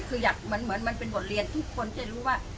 คืออยากเหมือนมันเป็นบทเรียนทุกคนจะรู้ว่า